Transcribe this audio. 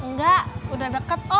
enggak udah dapet aja ya